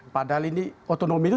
padahal ini otonomi itu